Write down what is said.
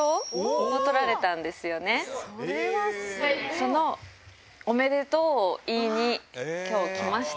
そのおめでとうを言いに、きょう来ました。